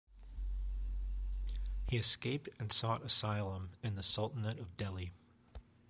He escaped and sought asylum in the Sultanate of Delhi.